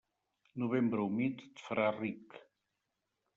Novembre humit et farà ric.